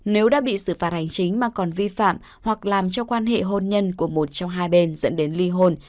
nếu đã bị xử phạt hành chính mà còn vi phạm hoặc làm cho quan hệ hôn nhân của một trong hai bên dẫn đến ly hôn